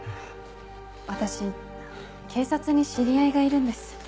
私警察に知り合いがいるんです。